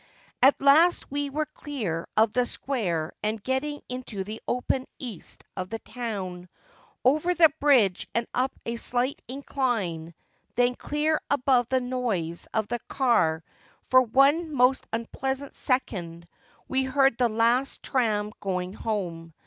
At last we were clear of the square and getting into the open east of the town. Over the bridge and up a slight incline — then clear above the noise of the car for one most unpleasant second we heard the last tram going home.